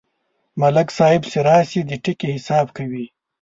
ملک صاحب چې راشي، د ټکي حساب کوي.